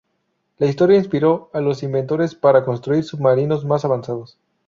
La historia inspiró a los inventores para construir submarinos más avanzados.